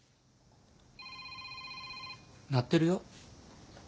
鳴ってるよ。